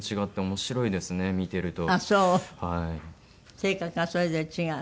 性格がそれぞれ違う？